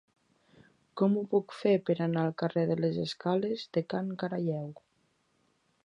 Com ho puc fer per anar al carrer de les Escales de Can Caralleu?